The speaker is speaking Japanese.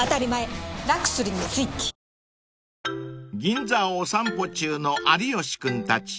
［銀座をお散歩中の有吉君たち］